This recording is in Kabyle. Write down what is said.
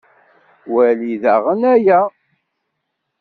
Wali daɣen aya.